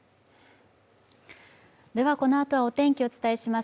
ではこのあとはお天気、お伝えします。